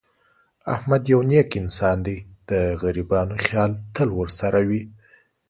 احمد یو نېک انسان دی. د غریبانو خیال تل ورسره وي.